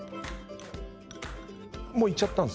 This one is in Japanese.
もういっちゃったんですか？